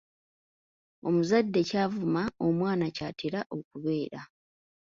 Omuzadde ky'avuma omwana ky'atera okubeera.